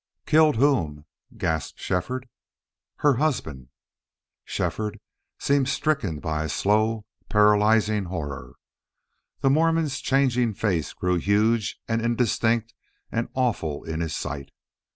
"Killed whom?" gasped Shefford. "Her husband!" Shefford seemed stricken by a slow, paralyzing horror. The Mormon's changing face grew huge and indistinct and awful in his sight.